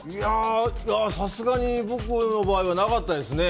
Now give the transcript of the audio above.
さすがに僕の場合はなかったですね。